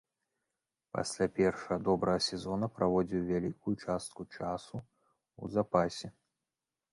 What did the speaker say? Пасля першага добрага сезона праводзіў вялікую частку часу ў запасе.